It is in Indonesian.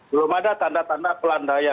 belum ada tanda tanda pelandaya